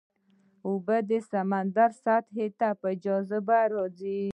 اوبه د سمندر سطحې ته په جاذبه راځي.